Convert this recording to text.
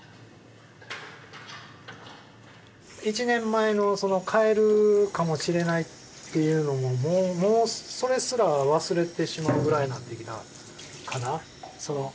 １年前の帰るかもしれないっていうのももうそれすら忘れてしまうぐらいなってきたかな。